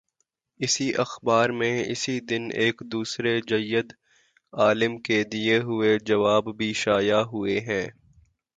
اسی اخبار میں، اسی دن، ایک دوسرے جید عالم کے دیے ہوئے جواب بھی شائع ہوئے ہیں۔